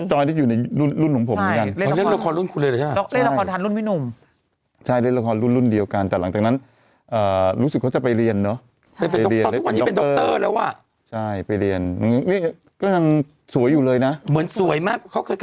เหมือนเดิมเป๊ะพี่จอยเป็นเหมือนเดิมเลย